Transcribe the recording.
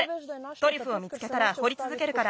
トリュフを見つけたらほりつづけるから。